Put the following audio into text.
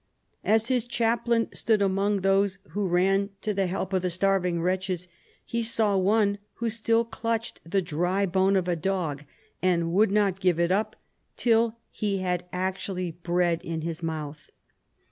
As his chaplain stood among those who ran to the help of the starving wretches, he saw one who still clutched the dry bone of a dog, and would not give it up till he had actually bread in his mouth.